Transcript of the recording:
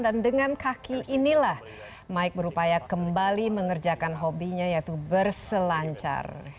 dan dengan kaki inilah mike berupaya kembali mengerjakan hobinya yaitu berselancar